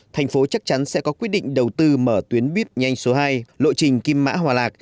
thành phố chắc chắn sẽ có quyết định đầu tư mở tuyến buýt nhanh số hai lộ trình kim mã hòa lạc